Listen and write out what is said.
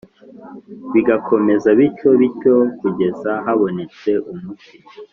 Bigakomeza bityo bityo kugeza habonetse umuti